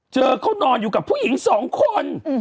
เขานอนอยู่กับผู้หญิงสองคน